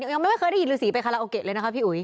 ยังไม่เคยได้ยินฤษีไปคาราโอเกะเลยนะคะพี่อุ๋ย